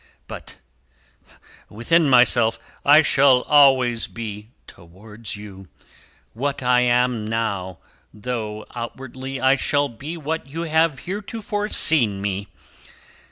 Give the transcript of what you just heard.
But, within myself, I shall always be, towards you, what I am now, though outwardly I shall be what you have heretofore seen me.